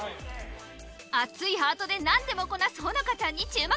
アツいハートで何でもこなすホノカちゃんに注目